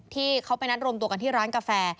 ที่เขาไปนัดรวมตัวกันที่ร้านกาแฟ